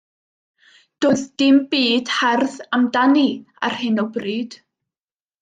Doedd dim byd hardd amdani ar hyn o bryd.